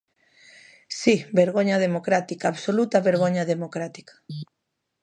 ¡Si, vergoña democrática, absoluta vergoña democrática!